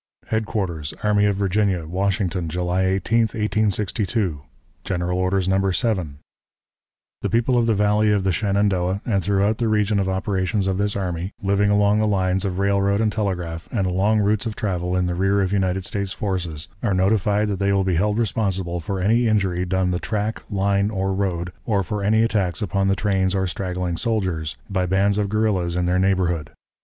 _" "HEADQUARTERS ARMY OF VIRGINIA, WASHINGTON, July 18, 1862. "(GENERAL ORDERS, No. 7.) "The people of the Valley of the Shenandoah and throughout the region of operations of this army, living along the lines of railroad and telegraph, and along routes of travel in the rear of United States forces, are notified that they will be held responsible for any injury done the track, line, or road, or for any attacks upon the trains or straggling soldiers, by bands of guerrillas in their neighborhood.